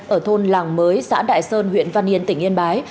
ở thôn làng mới xã đại sơn huyện văn yên tỉnh yên bái